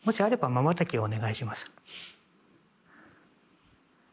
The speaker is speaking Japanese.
まばたきをお願いします。